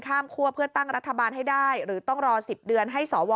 คั่วเพื่อตั้งรัฐบาลให้ได้หรือต้องรอ๑๐เดือนให้สว